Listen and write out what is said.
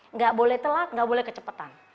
nggak boleh telat gak boleh kecepatan